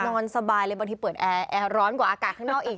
นอนสบายเลยบางทีเปิดแอร์ร้อนกว่าอากาศข้างนอกอีก